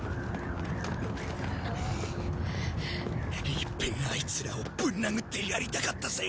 いっぺんあいつらをぶん殴ってやりたかったぜ！